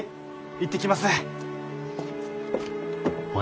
行ってきます！